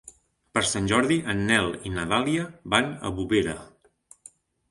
Per Sant Jordi en Nel i na Dàlia van a Bovera.